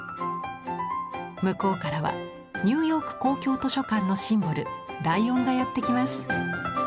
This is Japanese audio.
向こうからはニューヨーク公共図書館のシンボルライオンがやって来ます。